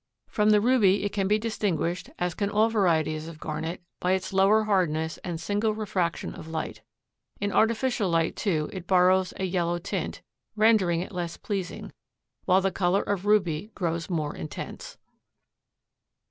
From the ruby it can be distinguished, as can all varieties of garnet, by its lower hardness and single refraction of light. In artificial light, too, it borrows a yellow tint, rendering it less pleasing, while the color of ruby grows more intense.